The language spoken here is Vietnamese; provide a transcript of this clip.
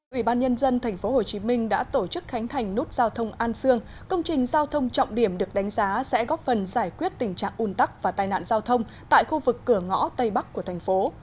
ủy ban nhân dân tp hcm đã tổ chức khánh thành nút giao thông an sương công trình giao thông trọng điểm được đánh giá sẽ góp phần giải quyết tình trạng un tắc và tai nạn giao thông tại khu vực cửa ngõ tây bắc của thành phố